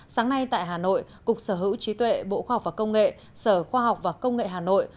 sáng nay tại hà nội cục sở hữu trí tuệ bộ khoa học và công nghệ sở khoa học và công nghệ hà nội